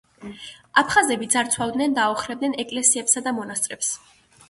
აფხაზები ძარცვავდნენ და აოხრებდნენ ეკლესიებსა და მონასტრებს.